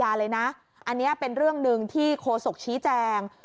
อันนี้เป็นเรื่องหนึ่งที่โคศกชี้แจง